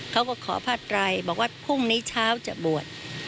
เขาก็ขอผ้าไตรบอกว่าพรุ่งนี้เช้าจะบวช